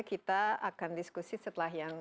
kita akan diskusi setelah yang